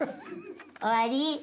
終わり。